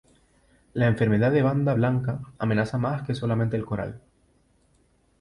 La enfermedad de banda blanca amenaza más que solamente el coral.